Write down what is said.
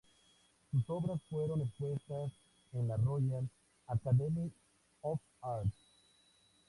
Sus obras fueron expuestas en la Royal Academy of Arts.